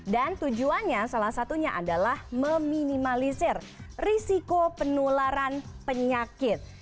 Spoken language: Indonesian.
dan tujuannya salah satunya adalah meminimalisir risiko penularan penyakit